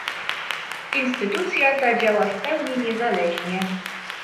Instytucja ta działa w pełni niezależnie